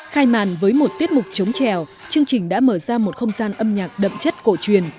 khai màn với một tiết mục chống trèo chương trình đã mở ra một không gian âm nhạc đậm chất cổ truyền